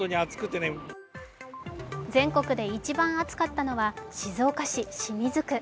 全国で一番暑かったのは静岡市清水区。